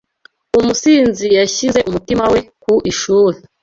Umusizi! - Yashyize umutima we ku ishuri